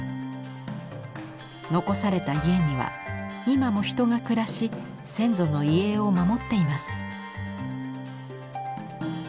残された家には今も人が暮らし先祖の遺影を守っています。